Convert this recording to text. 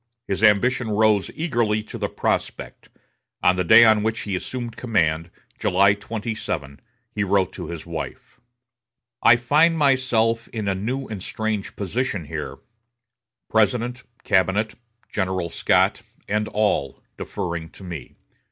His ambition rose eagerly to the prospect. On the day on which he assumed command, July 27, he wrote to his wife: "I find myself in a new and strange position here; President, cabinet, General Scott, and all, deferring to me.